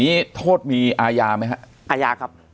ติ๊กกู้จริงคายครับ